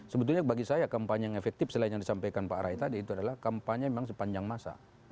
sebetulnya bagi saya kampanye yang efektif selain yang disampaikan pak rai tadi itu adalah kampanye memang sepanjang masa